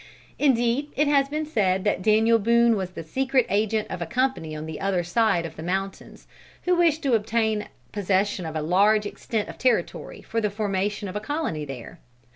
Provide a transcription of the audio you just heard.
Indeed it has been said that Daniel Boone was the secret agent of a company on the other side of the mountains, who wished to obtain possession of a large extent of territory for the formation of a colony there.